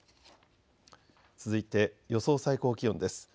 続いて予想最高気温です。